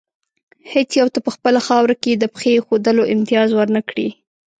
هېڅ یو ته په خپله خاوره کې د پښې ایښودلو امتیاز ور نه کړي.